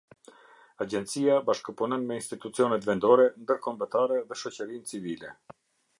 Agjencia bashkëpunon me institucionet vendore, ndërkombëtare dhe shoqërinë civile.